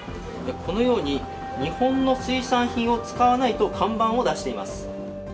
このように日本の水産品を使わないと看板を出しています。